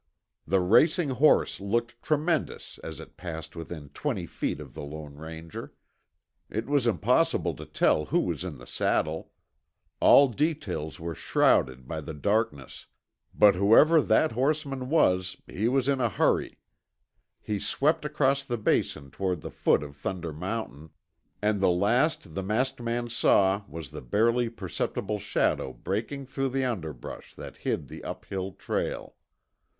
The racing horse looked tremendous as it passed within twenty feet of the Lone Ranger. It was impossible to tell who was in the saddle. All details were shrouded by the darkness, but whoever that horseman was, he was in a hurry. He swept across the Basin toward the foot of Thunder Mountain, and the last the masked man saw was the barely perceptible shadow breaking through the underbrush that hid the uphill trail.